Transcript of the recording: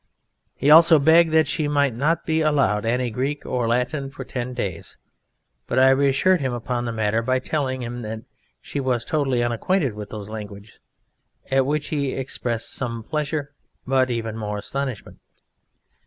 He also begged that she might not be allowed any Greek or Latin for ten days, but I reassured him upon the matter by telling him that she was totally unacquainted with those languages at which he expressed some pleasure but even more astonishment.